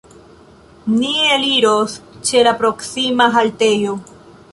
Ni eliros ĉe la proksima haltejo.